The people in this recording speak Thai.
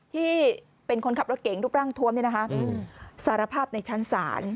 ที่เป็นคนขับรถเก๋งรูปร่างทวมสารภาพในชั้นศาล